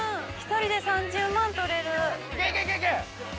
１人で３０万円取れる。